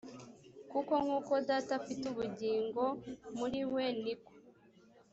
kuko nk uko data afite ubugingo muri we ni ko